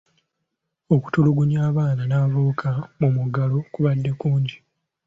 Okutulugunya abaana n'abavubuka mu muggalo kubadde kungi.